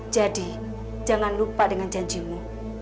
jadi jangan lupa dengan janjimu